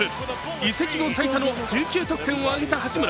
移籍後最多の１９得点を挙げた八村。